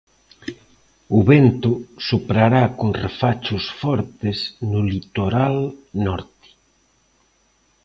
O vento soprará con refachos fortes no litoral norte.